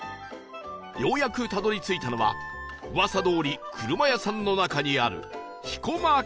ようやくたどり着いたのは噂どおり車屋さんの中にある